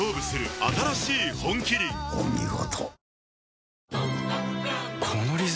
お見事。